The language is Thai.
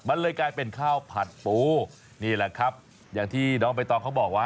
มันเลยกลายเป็นข้าวผัดปูนี่แหละครับอย่างที่น้องใบตองเขาบอกว่า